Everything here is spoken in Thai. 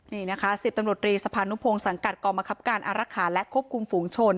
นี่นะคะ๑๐ตำรวจรีสภานุพงศ์สังกัดกองบังคับการอารักษาและควบคุมฝูงชน